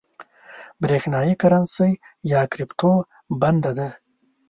برېښنايي کرنسۍ یا کريپټو بنده ده